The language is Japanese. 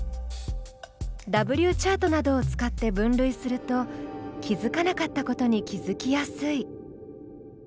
Ｗチャートなどを使って分類すると気付かなかったことに気付きやすい。